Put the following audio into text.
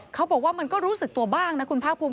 เขาบอกว่ามันก็รู้สึกตัวบ้างนะคุณภาคภูมิ